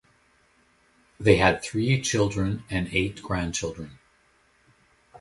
They had three children and eight grandchildren.